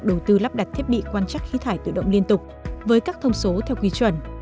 đầu tư lắp đặt thiết bị quan trắc khí thải tự động liên tục với các thông số theo quy chuẩn